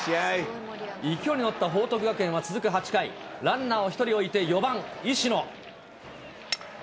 勢いに乗った報徳学園は続く８回、ランナーを１人置いて、４番石野。